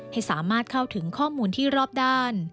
ให้สามารถเข้าถึงข้อมูลที่รอบด้าน